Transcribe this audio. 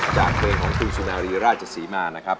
จากเพลงของคุณสุนารีราชศรีมานะครับ